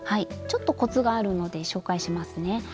ちょっとコツがあるので紹介しますね。